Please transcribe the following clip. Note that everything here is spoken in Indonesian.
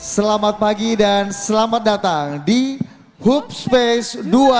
selamat pagi dan selamat datang di hoopspace dua ribu dua puluh tiga